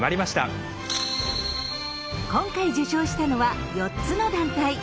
今回受賞したのは４つの団体。